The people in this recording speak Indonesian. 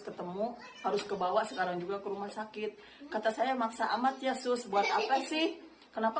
ketemu harus kebawa sekarang juga ke rumah sakit kata saya maksa amat yesus buat apa sih kenapa